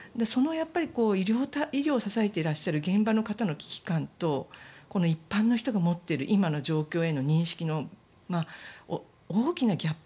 医療を支えていらっしゃる現場の方の危機感と一般の人が持っている今の状況への認識の大きなギャップ